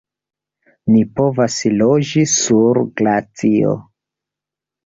"Ni povas loĝi sur glacio!"